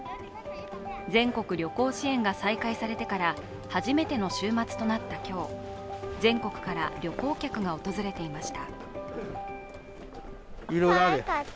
全国旅行支援が再開されてから初めての週末となった今日、全国から旅行客が訪れていました。